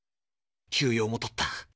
休養も取った。